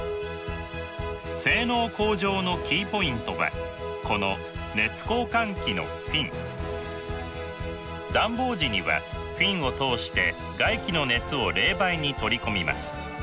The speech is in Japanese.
性能向上のキーポイントはこの暖房時にはフィンを通して外気の熱を冷媒に取り込みます。